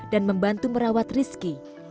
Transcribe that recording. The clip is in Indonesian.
dan membantu merawat rizky